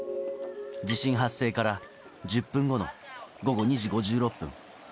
地震発生から１０分後の午後２時５６分。